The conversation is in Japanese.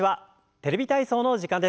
「テレビ体操」の時間です。